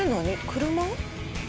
車？